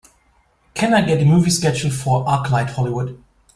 Can I get the movie schedule for ArcLight Hollywood